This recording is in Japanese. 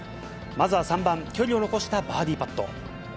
まずは３番、距離を残したバーディーパット。